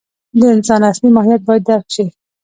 د انسان اصلي ماهیت باید درک شي.